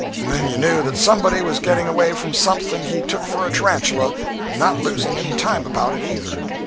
and then you knew that somebody was getting away from something he took for a tarantula, and not losing any time about it, either.